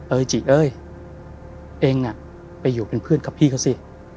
จิเอ้ยเองไปอยู่เป็นเพื่อนกับพี่เขาสิ